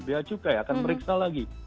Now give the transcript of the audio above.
bia cukai akan meriksa lagi